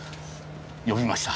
呼びました。